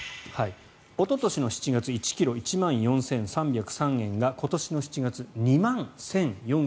おととしの７月１ｋｇ、１万４３０３円が今年の７月、２万１４２２円。